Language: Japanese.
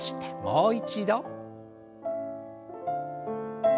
もう一度。